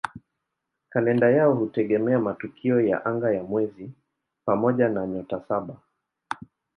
Kalenda yao hutegemea matukio ya anga ya mwezi pamoja na "Nyota Saba".